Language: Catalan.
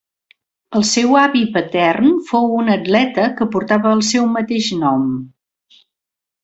El seu avi patern fou un atleta que portava el seu mateix nom.